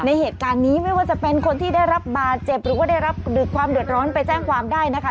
เหตุการณ์นี้ไม่ว่าจะเป็นคนที่ได้รับบาดเจ็บหรือว่าได้รับหรือความเดือดร้อนไปแจ้งความได้นะคะ